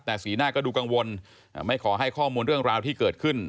แต่สีหน้าก็ดูกังวลไม่ขอให้ข้อมูลเรื่องราวที่เกิดขึ้น